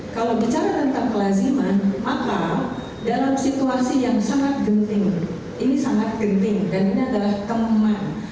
kalau bicara tentang kelaziman maka dalam situasi yang sangat genting ini sangat genting dan ini adalah teman